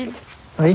はい。